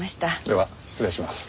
では失礼します。